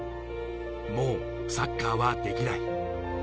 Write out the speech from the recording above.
もうサッカーはできない。